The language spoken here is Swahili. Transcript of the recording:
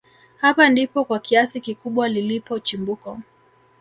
hapa ndipo kwa kiasi kikubwa lilipo chimbuko